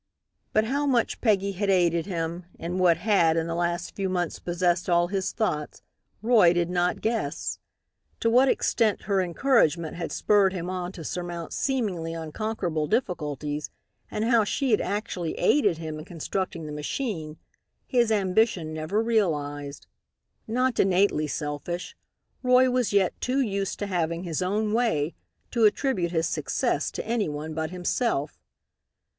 But how much Peggy had aided him, in what had, in the last few months possessed all his thoughts, Roy did not guess. To what extent her encouragement had spurred him on to surmount seemingly unconquerable difficulties, and how she had actually aided him in constructing the machine, his ambition never realized. Not innately selfish, Roy was yet too used to having his own way to attribute his success to any one but himself.